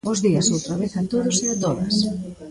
Bos días outra vez a todos e a todas.